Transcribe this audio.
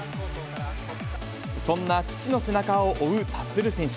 そんな父の背中を追う立選手。